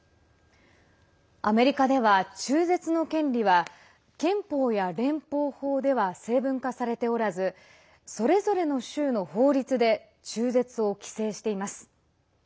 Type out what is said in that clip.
アメリカでは中絶の権利は憲法や連邦法では成文化されておらずそれぞれの州の法律で中絶を規制しています。